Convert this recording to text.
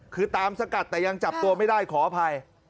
คือตามสกัดแต่ยังจับตัวไม่ได้ขออภัย